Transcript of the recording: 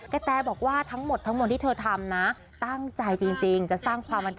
กะแตบอกว่าทั้งหมดทั้งหมดที่เธอทำนะ